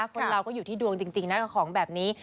คนเราก็อยู่ที่ดวงจริงนะกับของแบบนี้